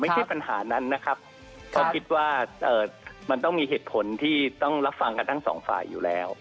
ปัญหานั้นนะครับเพราะคิดว่ามันต้องมีเหตุผลที่ต้องรับฟังกันทั้งสองฝ่ายอยู่แล้ว